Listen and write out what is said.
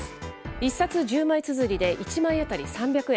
１冊１０枚つづりで１枚当たり３００円。